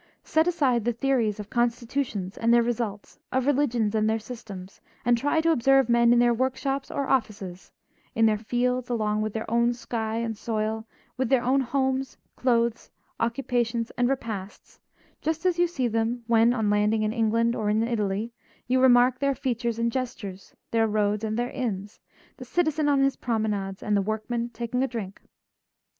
Set aside the theories of constitutions and their results, of religions and their systems, and try to observe men in their workshops or offices, in their fields along with their own sky and soil, with their own homes, clothes, occupations and repasts, just as you see them when, on landing in England or in Italy, you remark their features and gestures, their roads and their inns, the citizen on his promenades and the workman taking a drink.